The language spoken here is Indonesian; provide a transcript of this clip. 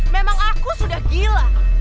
memang aku sudah gila